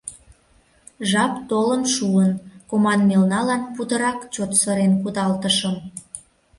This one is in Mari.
Жап толын шуын, команмелналан путырак чот сырен кудалтышым.